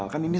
ya aku juga